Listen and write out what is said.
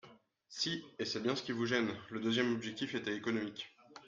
Si ! …et c’est bien ce qui vous gêne ! Le deuxième objectif était économique.